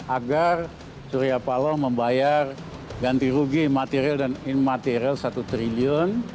agar suria paloh membayar ganti rugi material dan immaterial satu triliun